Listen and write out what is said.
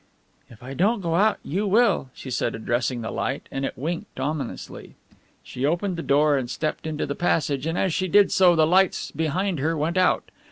"If I don't go out you will," she said addressing the light, and it winked ominously. She opened the door and stepped into the passage, and as she did so the lights behind her went out.